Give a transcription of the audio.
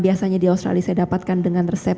biasanya di australia saya dapatkan dengan resep